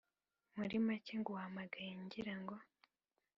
murimake nguhamagaye ngira ngo